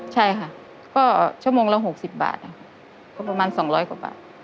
ใช่ค่ะก็ชั่วโมงละหกสิบบาทค่ะก็ประมาณสองร้อยกว่าบาท